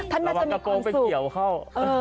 ระวังกระโกงไปเกี่ยวเข้า